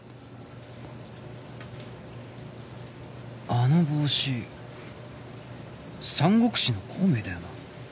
あの帽子『三国志』の孔明だよな